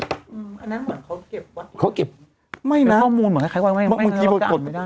อันนั้นเหมือนเขาเก็บว่ะเป็นข้อมูลเหมือนให้ใครไว้ไม่งั้นเราก็อ่านไม่ได้